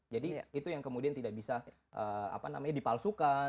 jadi itu yang kemudian tidak bisa dipalsukan